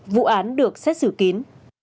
vụ án được xét xử kín